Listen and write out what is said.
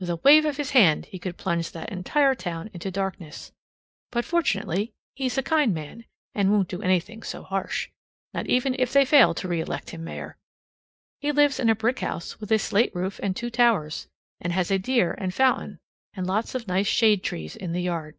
With a wave of his hand he could plunge that entire town into darkness; but fortunately he's a kind man, and won't do anything so harsh, not even if they fail to reelect him mayor. He lives in a brick house with a slate roof and two towers, and has a deer and fountain and lots of nice shade trees in the yard.